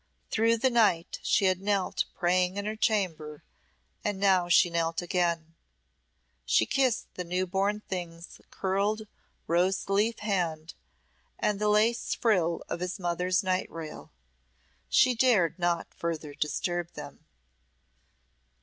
Through the night she had knelt praying in her chamber, and now she knelt again. She kissed the new born thing's curled rose leaf hand and the lace frill of his mother's night rail. She dared not further disturb them.